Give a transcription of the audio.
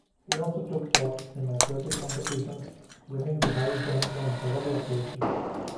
He also took part in athletics competitions, winning the high jump on several occasions.